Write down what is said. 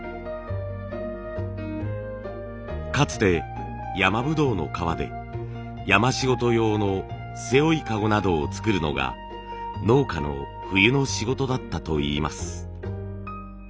かつて山ぶどうの皮で山仕事用の背負い籠などを作るのが農家の冬の仕事だったといいます。